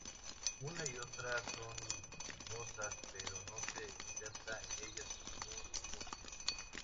Una y otra son rugosas pero no se inserta en ellas ningún músculo.